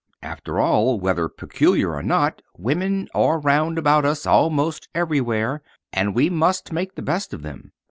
After all, whether peculiar or not women are round about us almost everywhere, and we must make the best of them.